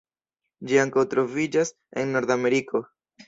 Ĝi ankaŭ troviĝas en Nordameriko.